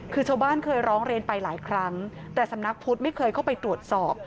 คือชาวบ้านเคยร้องเรียนไปหลายครั้งแต่สำนักพุทธไม่เคยเข้าไปตรวจสอบ